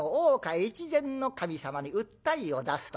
越前守様に訴えを出すという。